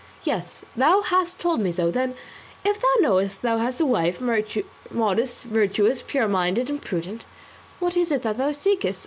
Yes, thou hast told me so. Then, if thou knowest that thou hast a wife, modest, virtuous, pure minded and prudent, what is it that thou seekest?